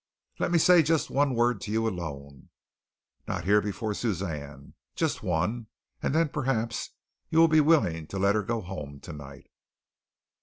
"Let me say just one word to you alone, not here before Suzanne, just one, and then perhaps you will be willing to let her go home tonight."